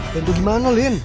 bantu gimana lin